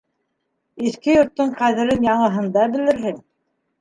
Иҫке йорттоң ҡәҙерен яңыһында белерһең.